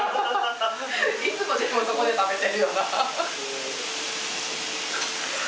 いつもでもそこで食べてるよな。